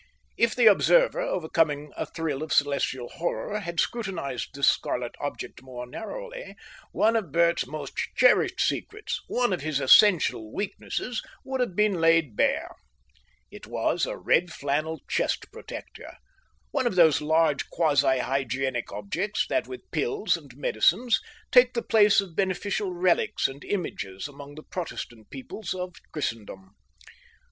If the observer, overcoming a thrill of celestial horror, had scrutinised this scarlet object more narrowly, one of Bert's most cherished secrets, one of his essential weaknesses, would have been laid bare. It was a red flannel chest protector, one of those large quasi hygienic objects that with pills and medicines take the place of beneficial relics and images among the Protestant peoples of Christendom.